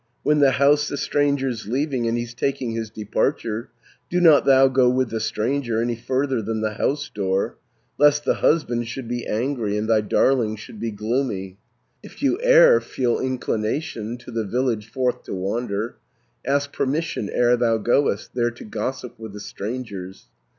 "When the house the stranger's leaving, And he's taking his departure, Do not thou go with the stranger Any further than the housedoor, Lest the husband should be angry, And thy darling should be gloomy. "If you e'er feel inclination To the village forth to wander, 430 Ask permission ere thou goest, There to gossip with the strangers.